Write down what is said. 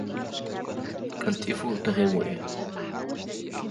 ቐልጢፉ ደኺሙ እዩ።